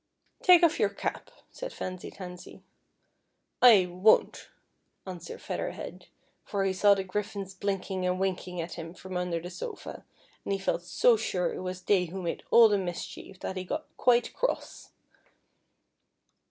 " Take off your cap," said Fancy Tansy. " I won't," answered Feather Head, for he saw the griffins blinking and winking at him from under the sofa, and he felt so sure it was the\ who made all the mischief, that he got quite cross.